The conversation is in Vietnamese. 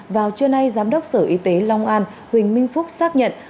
vào trưa nay giám đốc sở y tế long an huỳnh minh phúc xác nhận